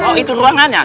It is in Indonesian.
oh itu ruangan ya